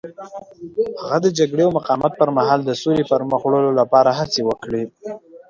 هغه د جګړې او مقاومت پر مهال د سولې پرمخ وړلو لپاره هڅې وکړې.